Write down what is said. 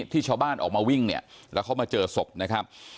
ที่ชาวบ้านออกมาวิ่งเนี่ยแล้วเขามาเจอศพนะครับ